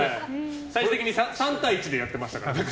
最終的に３対１でやってましたからね。